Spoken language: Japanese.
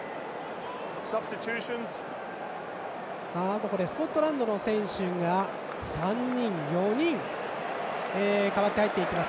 ここでスコットランドの選手が４人代わって入っていきます。